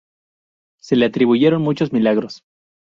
Se le atribuyeron muchos milagros.